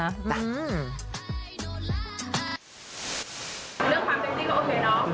เรื่องความเซ็กซี่ก็โอเคเนาะ